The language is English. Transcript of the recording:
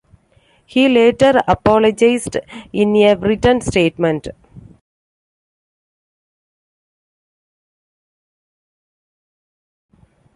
He later apologized in a written statement.